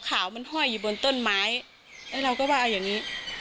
ขาวมันห้อยอยู่บนต้นไม้แล้วเราก็ว่าเอาอย่างนี้